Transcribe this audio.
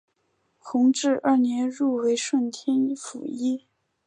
弘治二年入为顺天府尹。